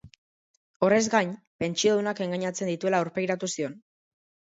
Horrez gain, pentsiodunak engainatzen dituela aurpegiratu zion.